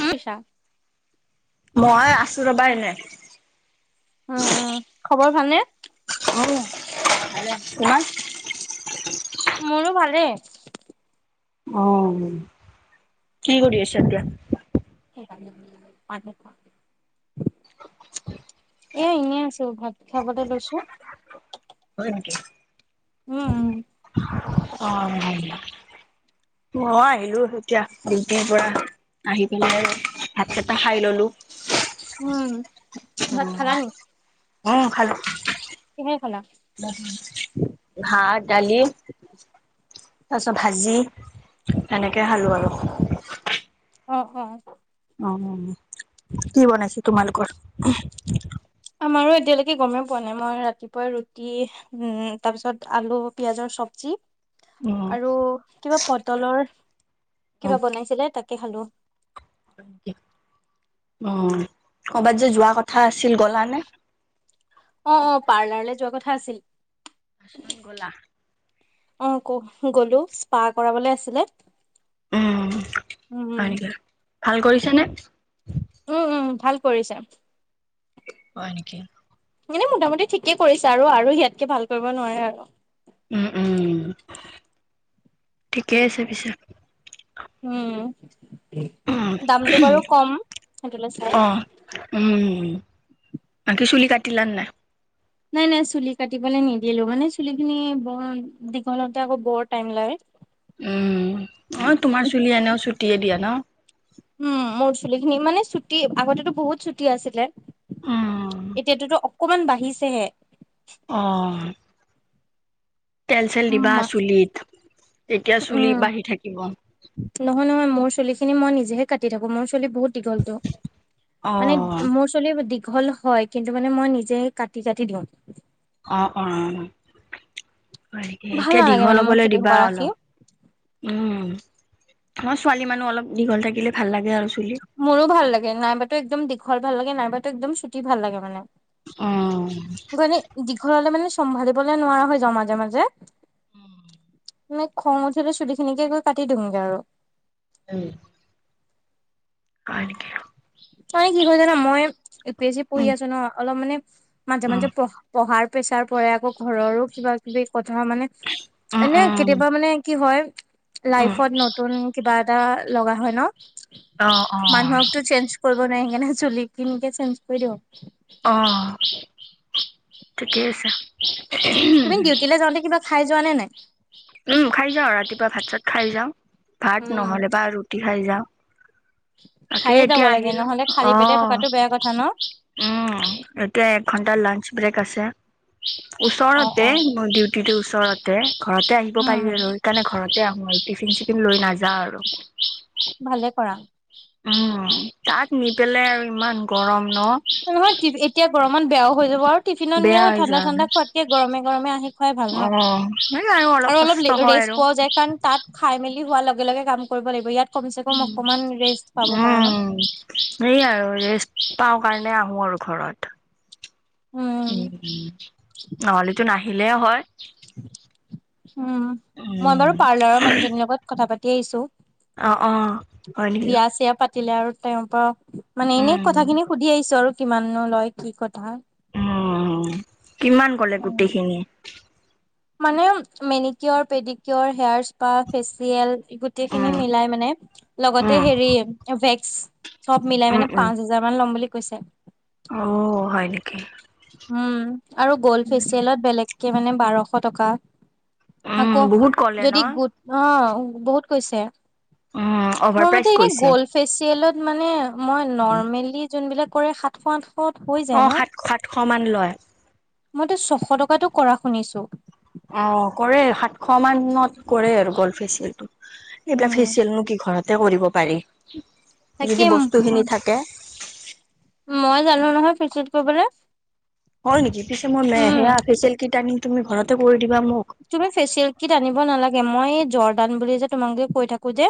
উ ছা মই আছো ৰবা এনে। উম উম খবৰ ভালনে? অ ভালে, তোমাৰ মোৰো ভালেই। অ কি কৰি আছে এতিয়া? [unintelligible] [unintelligible] এয়া এনেই আছো ভাত খাবলৈ লৈছো। হয় নেকি। উম উ অ মই আহিলো এতিয়া ডিউতিৰ পৰা আহি পেলাই ভাতকেইটা খাই ললো। উম ভাত খালা নি উম খালো কিহে খালা। ভাত ডালি তাৰপিছত ভাজি এনেকে খালোঁ আৰু অ অ কি বনাইছে তোমালোকৰ? আৰু এতিয়ালৈকে গমেই পোৱা নাই মই ৰাতিপুৱাই ৰুটি উ তাৰ পিছত আলু পিয়াজৰ চব্জি। উম আৰু কিবা পটলৰ কিবা বনাইছিলে তাকে খালোঁ উ কৰ'বাত যে যোৱা কথা আছিল গলা নে। অ অ পাৰ্লাৰলৈ যোৱা কথা আছিল। কিহত গলা। অ ক গলো্ ইছ পা কৰাবলে আছিলে। উম উম হয় উম নেকি ভাল কৰিছে নে? উম উম ভাল কৰিছা। হয় নেকি মানে মোটামুটি ঠিকে কৰিছে আৰু আৰু ইয়াতকে ভাল কৰিব নোৱাৰে আৰু। উম উম ঠিকেই আছে পিছে। উম উ দামটো বাৰু কম সেইটোলৈ চাই। অ উম। চুলি কাটিলা নাই। নাই নাই চুলি কাটিবলৈ নিদিলো, মানে চুলি খিনি বৰ দীঘলতে আকৌ বৰ টাইম লাগে উম অ তোমাৰ চুলি এনেও ছুটিয়ে দিয়া ন উম মোৰ চুলি খিনি মানে চুটি আগতেতো বহুত ছুটি আছিলে। উম, এতিয়াতো অকমান বাঢ়িছেহে। অ। তেল চেল দিবা উম, চুলিত। তেতিয়া চুলি উম বাঢ়ি থাকিব। নহয় নহয় মোৰ চুলি খিনি মই নিজেহে। কাটি থাকো মোৰ চুলি বহুত দীঘলটো মানে অ', মোৰ চুলি। দীঘল হয় কিন্তু মানে মই নিজে কাটি কাটি দিওঁ। অ অ। ভাল এতিয়া নালাগে দীঘল মানে মোৰ ল'বলৈ চুলি দিবা সোপা ৰাখি। অলপ উম। অও ছোৱালী মানুহ অলপ দীঘল থাকিলে ভাল লাগে আৰু। চুলি। মোৰো ভাল লাগে নাইবাতো একদম দীঘল ভাল লাগে নাইবাতো একদম চুটি ভাল লাগে মানে। অ। এনে দীঘলহলে মানে চম্ভালিবলে নোৱাৰা হৈ যাও মাজে মাজে। মানে খং উঠিলে চুলি খিনিকে গৈ কাটি দিমগে আৰু। উম। মে কি হয় জান মই ইউ পি এছ চি পঢ়ি উম, আছো ন অলপ মানে। মাজে উম, মাজে পঢ়া পঢ়াৰ প্ৰেছাৰ পৰাৰে আকৌ ঘৰৰো কিবা কিবি। কথা মানে উম, এনে উম, কেতিয়াবা মানে কি হয়। উম, লাইফত নতুন কিবা এটা লগা হয় ন। অ', মানুহকতো চেঞ্জ কৰিব নোৱাৰ সে চুলি কিনকে চেঞ্জ কৰি দিওঁ। অহ ঠিকেই আছে। তুমি ডিউটিলে যাওঁতে কিবা খাই যোৱা নে নাই। উম খাই যাওঁ ৰাতিপুৱা ভাত চাত খাই যাওঁ। ভাত উম নহ'লে বা ৰুটি খাই যাওঁ। তাকে খায়ে যাব এতিয়া লাগে আহিল নহ'লে খালী পেটে অহ। থকাটো বেয়া কথা ন উম এতিয়া এক ঘন্টা লাঞ্চ ব্ৰেক আছে। অ ওচৰতে অ মোৰ ডিউটিটোৰ ওচৰতে ঘৰতে আহিব উম পাৰি আৰু সেইকাৰণে ঘৰতে আহো। মই টিফিন চিফিন লৈ নাযাওঁ আৰু। ভালে কৰা উম তাত নি পেলাই আৰু ইমান গৰম। ন নহয় এতিয়া গৰমত বেয়াও হৈ যাব আৰু। টিফিনত নিয়ে বেয়া হৈ ঠাণ্ডা যায় ঠাণ্ডা খোৱাতে গৰমে গৰমে আহি খুৱাই ভাল ন অ' সেই আৰু অলপ কষ্ট হয় ৰেষ্ট। আৰু পোৱা যায় কাৰণ তাত খাই মেলি হোৱাৰ লগে লগে কাম কৰিব লাগিব ইয়াত। কমচে কম অকমান ৰেষ্ট পাব পাৰা ন উম সেই আৰু। পাওঁ কাৰণে আহোঁ আৰু ঘৰত। উম উ নহলেটো নাহিলে হয়। উ [unintelligible] উম মই উম বাৰু পাৰ্লাৰৰ মানুহজনীৰ লগত কথা পাতি আহিছো। অ অ হয় নেকি। দিলে আৰু তেওঁৰ পৰা মানে এনে উম কথাখিনি সুধি আহিছো আৰু কিমানো লয় কি কথা। উম কিমান কলে উম গোটেইখিনি। মানে মেনিকিৰ পেডিকৰ হেয়াৰছ বা ফেচিয়েল। গোটেই খিনি উম মিলাই মানে লগতে উম হেৰি ভে। চব মিলাই উম মানে উম পাঁচ হাজাৰ মান ল'ম বুলি কৈছে। অ হয় নেকি। উম আৰু গ'ল্ড ফেচিয়েলত বেলেগকে মানে বাৰশ টকা। উম আকৌ বহুত ক'লে ন যদি গোট অ বহুত কৈছে। উম অভাৰ মোৰ প্ৰাইজ মতে এনেই কৈছে গ'ল্ড ফেচিয়েলৰ। মানে মই নৰ্মেলি যোনবিলাক কৰে সাতশ আঠশ হৈ অ যায় ন। সাত সাতশ মান লয়। মইতো ছশ টকাতো কৰা শুনিছো। অ কৰে সাতশ মান। ত কৰে আৰু গ'ল ফেচিয়েল টো এইবিলাক উম, ফেচিয়েলনো কি ঘৰতে কৰিব পাৰি। তাকে যদি বস্তুখিনি থাকে। মই জানোঁ নহয় ফিচিয়েল কৰিবলে। হ'য় নেকি পিছে মই মে উম। সেইয়া ফেচিয়েলকিট আনিম তুমি ঘৰতে কৰি দিব। তুমি ফেচিয়েলকিট আনিব নালাগে মই জৰ্দান বুলি যে তোমাক কৈ থাকোঁ যে।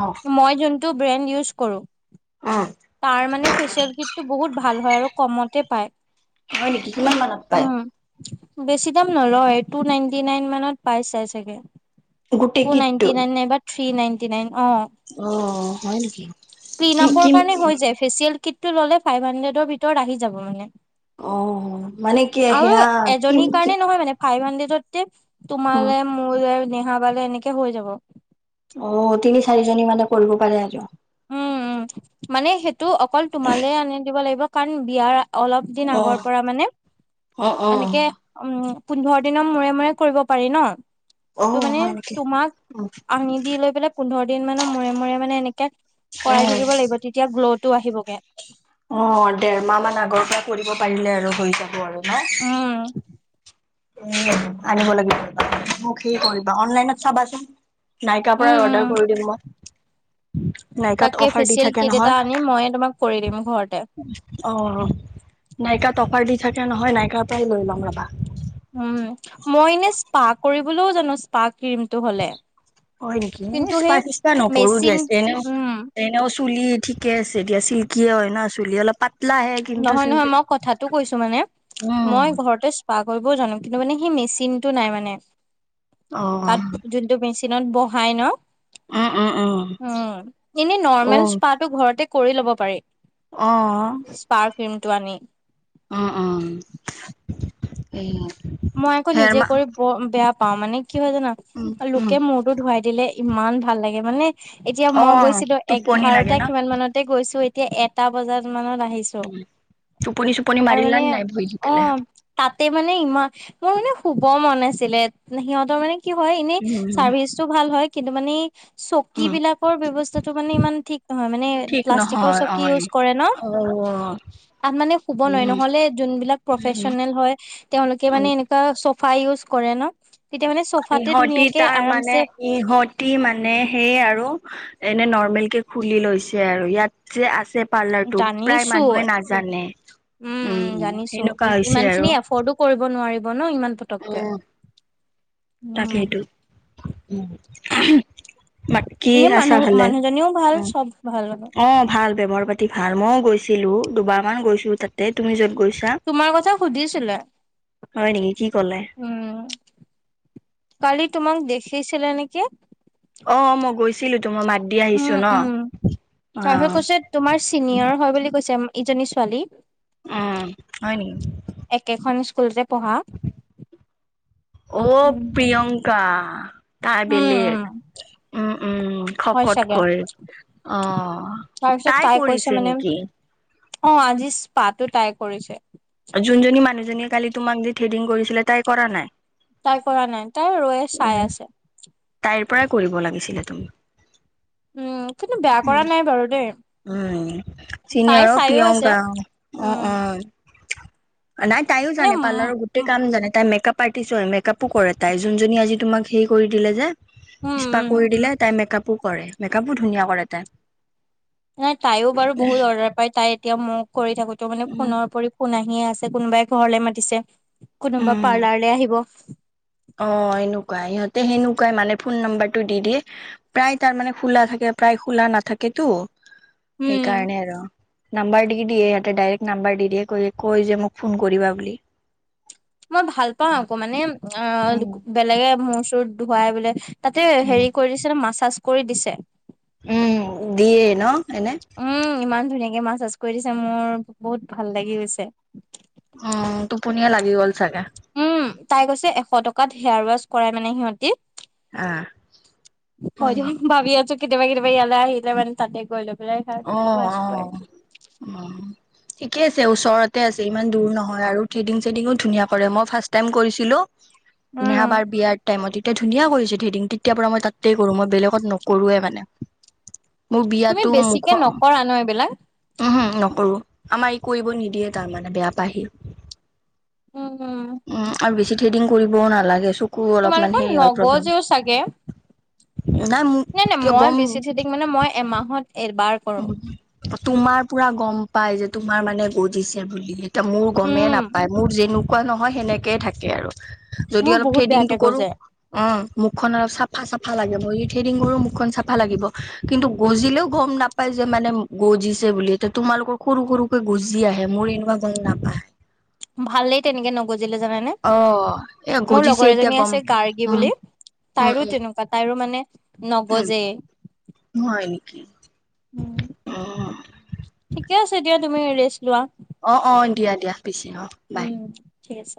অ মই যোনটো ব্ৰেণ্ড ইউজ কৰোঁ। অ তাৰ মানে ফেচিয়েলকিটটো বহুত ভাল হ'য় আৰু কমতে পায়। হয় নেকি কিমান মানত পাই। উম বেছি দাম নলয় টু নাইনটি নাইন মানত পাই চাই চাগে। গোটেই টু কিটটো নাইনটি নাইন নাই বা থ্ৰী নাইনটি নাইন। অ হয় নেকি। কি ক্লিনআপ কি কাৰনে হ'য় যাই। ফেচিয়েল কিটটো ল'লে ফাইভ হানড্ৰেড ভিতৰত আহি যাব মানে। অ' মানে কি আৰু সেয়া কি এজনীৰ কাৰণে নহয় মানে। ফাইভ হানড্ৰেড যে তোমলে, মোলে, নেহা বাইলে এনেকে হ'য় যাব। অ তিনি চাৰিজনী মানে কৰিব পাৰে আৰু। উম উম মানে সেইটো অকল তোমালে আনি দিব লাগিব কাৰণ বিয়াৰ। অলপ দিন আগৰ অ' পৰা মানে অ' অ'। এনেকে উম। পোন্ধৰ দিনৰ মূৰে মূৰে কৰিব পাৰি ন। ত অ' মানে হয় নেকি? তোমাক আনি দি লৈ পেলাই পোন্ধৰ। দু দিন মানৰ মূৰে মূৰে মানে এনেকে কৰাই অ'। থাকিব লাগিব তেতিয়া গ্লোৱ। অ দেৰ মাহ মান আগৰ পৰা কৰিব পাৰিলে আৰু হৈ যাব আৰু। ন। উম এ আনিব লাগিব মোক হেৰী কৰিবা অনলাইনত চাবাচোন। নাইকাৰ পৰা উম উম অৰ্ডাৰ কৰি দিম মই। নাইকাত তাকে অফাৰ দি ফেচিয়েল থাকে কিট এটা নহয়। আনি ময়ে তোমাক কৰি দিম ঘৰতে অ নাইকাত অফাৰ দি। থাকে নহয় নাইকাৰ পৰাই লৈ লম ৰবা। উম মই এনে স্পা কৰিবলৈও জানো স্পা ক্ৰীমটো হ'লে। হ'য় নেকি কিন্তু এস্পা সেই টেছপা নকৰোঁ দিয়া মেচিন এনেও উম এনেও চুলি ঠিক। ঠিকে আছে দিয়া এতিয়া চিল্কিয়ে হ'য় ন চুলি অলপ পাতল। নহয় নহয় মই কথাটো কৈছোঁ মানে, উম মই ঘৰতে এস্পা কৰিব জানোঁ। কিন্তু মানে মেচিন। মেচিন টো নাই মানে অ তাত যোনটো মেচিনত বহাই ন। উম এনে নৰ্মেল এস্পাটো ঘৰতে কৰি ল'ব পাৰি। অহ। তাৰ ক্ৰীমটো আনি। অ অ ওম। মই আকৌ নিজে কৰি বেয়া পাওঁ। মানে কি হ'য় জানা উম উম লোকে মূৰতো ধুৱাই। দিলে ইমান ভাল লাগে মানে এতিয়া অ মই গৈছিলোঁ টোপনি এঘাৰটা লাগে ন কিমান মানতে গৈছোঁ। এতিয়া এটা বজাত মানত। আহিছো টোপনি চোপনি আৰু মাৰিলা মানে নে নাই ভৰি দি অ পেলাই তাত। ত মানে ইমান মোৰ মানে শুব মন আছিলে সিহঁতৰ মানে। কি হয় এনেই উম চাৰ্ভিচটো ভাল হ'য় কিন্তু মানে। চকী উম বিলাকৰ ব্যৱস্থাটো মানে ইমান ঠিক নহয় মানে প্লাষ্টিকৰ চকী ইউজ কৰে ন। হয়। আ মানে শুব নোৱাৰি নহ'লে যোনবিলাক প্ৰফেচনেল হ'য় তেওঁলোকে। উম মানে এনেকুৱা চফা ইউজ কৰে ন। তেতিয়া মানে চফাতে ইহঁতি ধুনীয়াকে তাৰ মানে আৰামছে ইহঁতি মানে সেইয়া আৰু। এনে নৰ্মেল কে খুলি লৈছে আৰু ইয়াত যে আছে। পাৰ্লাৰটো প্ৰায় জানিছো মানুহে নাজানে। উম উম জানিছোঁ সেনেকুৱা হৈছে ইমান আৰু খিনি এফৰ্ডো কৰিব নোৱাৰিব। ন ইমান পটককে। তাকেই তো। ব কি এনে আছা মানুহ ভালে মানুহজনীও ভাল অ চব ভাল অ ভাল ব্যৱহাৰ পাতি ভাল মইও গৈছো। ছিলো দুবাৰ মান গৈছো তা তুমি য'ত গৈছ? তোমাৰ কথা সুধিছিলে হয় নেকি কি ক'লে উম। কালি তোমাক দেখিছিলে নেকি? অ মই গৈছিলো। তো মই মাত দি উম আহিছো ন উম অ তাৰপিছত কৈছ তোমাৰ চিনিয়ৰ হয় বুলি কৈছে। ইজনী ছোৱালী। উম হয় নেকি? স্কুল যে পঢ়া। অ উম প্ৰিয়ংকা তাই বেলেগ উম উম উম হয় খক চাগে কৰে অ তাৰপিছত তাই কৈছে কৰিছে মানে নেকি? অ আজি পাতটো টাই কৰিছে? যোনজনী মানুহজনীয়ে কালি তোমাক দি থ্ৰেডিং কৰিছিলে তাই কৰা নাই। তাই কৰা নাই তাই ৰৈ চাই উম। আছে। তাইৰ পৰাই কৰিব লাগিছিলে তুমি? উম কিন্তু বেয়া উম। কৰা নাই বাৰু দেই। উম তাই চিনিয়ৰ অ চাইও আছে প্ৰিয়ংকা অ উম উ নাই তাই মানে জানে, উম পালাৰৰ গোটেই উম কাম জানে তাই মেকআপ। পাতিছো হয় মেকআপো কৰে তাই যোনজনী আজি তোমাক হেই কৰি দিলে যে উম সপা উম কৰি দিলে তাই মেকপো কৰে মেকাপো ধুনীয়া কৰে তাই [unintelligible] ন তাইও বাৰু বহুত অৰ্ডাৰ পাই তাই এতিয়া মই কৰি থাকোতে মানে উম। ফোনৰ উপৰি ফোন আহি, [unintelligible] ধিয়ে আছে কোনোবাই ঘৰলে মাতিছে কোনোবা উম, পাৰ্লাৰলে আহিব [unintelligible] অ এনেকুৱাই ইহঁতে সেনেকুৱাই মানে ফোন নম্বাৰটো দি দিয়ে প্ৰায় তাৰ মানে খোলা থাকে। [unintelligible] প্ৰায় খোলা নাথাকেতো উম সেইকাৰণে আৰু নাম্বাৰ দি দিয়ে সিহঁতে ডাইৰেক্ট নাম্বাৰ দি দিয়ে কয় যে মোক ফোন কৰিবা বুলি। [unintelligible] মই ভাল পাও আকৌ মানে অ উম বেলেগে মোৰ চৰত ধোৱাই বোলে। [unintelligible] তাতে উম। হেৰি কৰি দিছে ন মাছাজ কৰি দিছে। উম দিয়ে ন এনে এনেকে মাছ চাছ কৰি দিছে মোৰ বহুত ভাল লাগি গৈছে। উম টোপনীয়ে লাগি গ'ল চাগে। উম তাই কৈছে এশ টকাত হেয়াৰ ৱাছ কৰাই মানে সিহঁতি আহ। হয় মইতো নেকি ভাবি আছো কেতিয়াবা কেতিয়াবা ইয়ালৈ আহিলে মানে তাতে গৈ লৈ। [unintelligible] আহ ৱাছ আহ কৰে উ। ঠিকে আছে ওচৰতে আছে ইমান দূৰ নহয় আৰু থ্ৰেডিং চেডিংটো ধুনীয়া কৰে মই ফাৰ্ষ্ট টাইম কৰিছিলো। উম নহাবাৰ বিয়াৰ টাইমত এতিয়া ধুনীয়া কৰিছে ধেৰিং তেতিয়াৰ পৰা মই তাতেই কৰো মই বেলেগত নো [unintelligible] কৰোৱে মানে মোৰ বিয়াতটো [unintelligible] তে নকৰা ন এইবিলাক [unintelligible] উম হম নকৰো আমাৰ ই কৰিব নিদিয়ে তাৰমানে বেয়া পায়। উম আৰু বেছি থ্ৰেডিং কৰিবও নালাগে চ কো অলপমান তোমালোকৰ হেই হয় প্ৰব্লেম নগজেও চাগে মোক নাই নাই কিয় মই গম বেছি থেডিং মানে মই এমাহত এবাৰ কৰো উ তোমাৰ পুৰা গম পাই যে তোমাৰ মানে গজিছে বুলি, মোৰ গমেই উম নাপায় মোৰ যেনেকুৱা নহয় সেনেকে থাকে আৰু [unintelligible] যদি মোৰ অলপ বহুত থ্ৰেডিংটো বেয়াকে কৰো গজে উ মুখখন অলপ চাফা চাফা লাগে মই ই থ্ৰেডিং কৰো মুখখন চাফা লাগিব কিন্তু গজিলেও গম নাপ [unintelligible] পাই যে মানে গজিছে বুলি এতিয়া তোমালোকৰ সৰু সৰুকে গজি আহে মোৰ এনেকুৱা গম নাপায় ভালেই তেনেকে নগজ [unintelligible] জানাই নে অ', এ মোৰ গজিছে লগৰ এতিয়া এজনী গম আছে গাৰ্গী উম, বুলি। উম, তাইৰো তেনেকুৱা তাইৰো মানে উম, নগজেই হয় নেকি? উম ঠিকে আছে দিয়া তুমি ৰেষ্ট লোৱা অ অ দিয়া দিয়া পিছে অ বাই উম ঠিক আছে